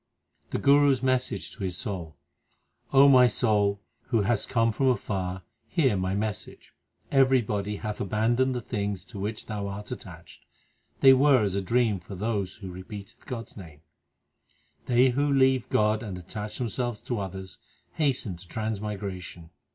The Guru s message to his soul : O my soul, who hast come from afar, Hear my message. Everybody hath abandoned the things To which thou art attached. They were as a dream for those Who repeated God s name. They who leave God and attach themselves to others Hasten to transmigration.